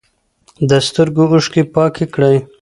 د سترګو اوښکې پاکې کړئ.